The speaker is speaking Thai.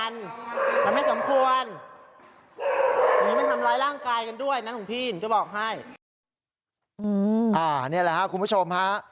นี้แหละคุณผู้ชมครับ